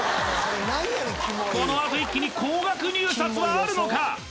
このあと一気に高額入札はあるのか！？